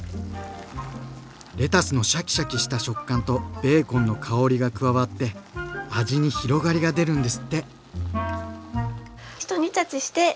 レタスのシャキシャキした食感とベーコンの香りが加わって味に広がりが出るんですって。